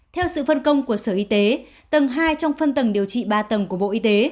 theo sự phân công của sở y tế tầng hai trong phân tầng điều trị ba tầng của bộ y tế